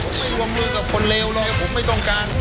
ผมไม่รวมมือกับคนเลวเลยผมไม่ต้องการ